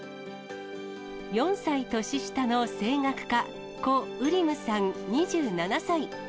４歳年下の声楽家、コ・ウリムさん２７歳。